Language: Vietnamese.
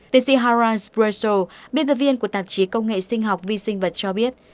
tiến sĩ harald sprechel biên tập viên của tạp chí công nghệ sinh học vi sinh vật cho biết